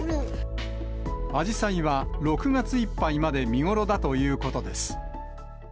あじさいは６月いっぱいまで見頃だということです。